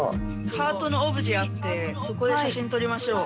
ハートのオブジェあってそこで写真撮りましょう。